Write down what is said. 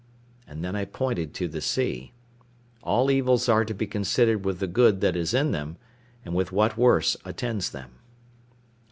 And then I pointed to the sea. All evils are to be considered with the good that is in them, and with what worse attends them.